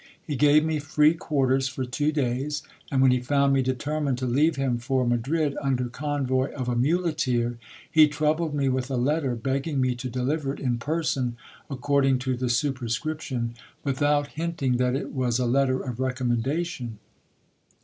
He gave me free quarters for two days, and when he found me determined to leave him for Ma drid under convoy of a muleteer, he troubled me with a letter, begging me to deliver it in person according to the superscription, without hinting that it was a letter of recommendation.